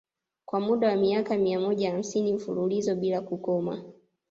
Kwa muda wa miaka mia moja hamsini mfululizo bila kukoma